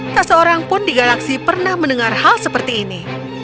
tak seorang pun di galaksi pernah mendengar hal seperti ini